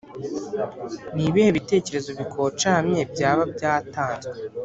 Ni ibihe bitekerezo bikocamye, byaba byatanzwe